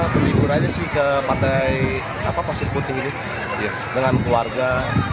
peliburannya ke pantai pasir putih ini dengan keluarga